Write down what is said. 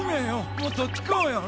もっとちこうよれ。